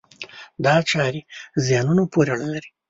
دا چارې زیانونو پورې اړه لري.